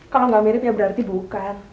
kalau nggak mirip ya berarti bukan